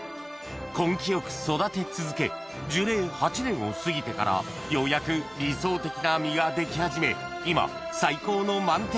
根気よく育て続け樹齢８年を過ぎてからようやく理想的な実ができ始め今最高の満天